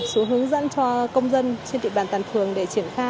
xuống hướng dẫn cho công dân trên địa bàn toàn phường để triển khai